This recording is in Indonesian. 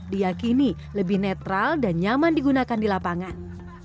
diakini lebih netral dan nyaman digunakan di lapangan